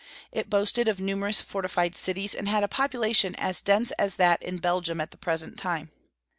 It boasted of numerous fortified cities, and had a population as dense as that in Belgium at the present time.